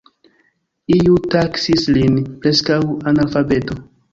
Iu taksis lin "preskaŭ-analfabeto.